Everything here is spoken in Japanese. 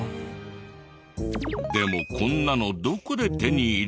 でもこんなのどこで手に入れるの？